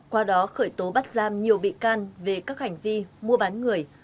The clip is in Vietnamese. qua đó khởi tố bắt giam nhiều bị can về các hành vi mua bán người